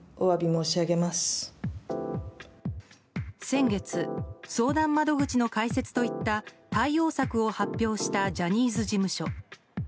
先月、相談窓口の開設といった対応策を発表したジャニーズ事務所。